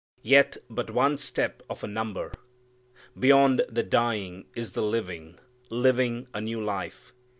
Yet but one step of a number. Beyond the dying is the living, living a new life.